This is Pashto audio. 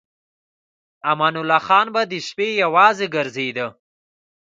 امان الله خان به د شپې یوازې ګرځېده.